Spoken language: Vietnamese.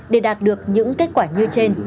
để đạt được những kết quả như trên